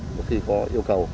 một khi có yêu cầu